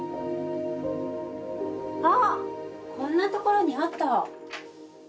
あっこんな所にあった！